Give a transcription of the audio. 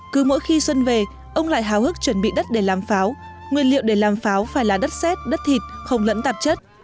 cứ mỗi khi xuân về ông lại hào hức chuẩn bị đất để làm pháo nguyên liệu để làm pháo phải là đất xét đất thịt không lẫn tạp chất